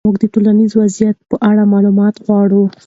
موږ د ټولنیز وضعیت په اړه معلومات غواړو.